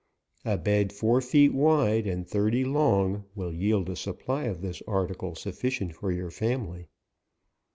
A bed four feet wide, and thirty long, will yield a supply of this article sufficient for your family.